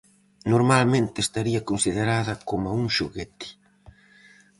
Normalmente estaría considerada coma un xoguete.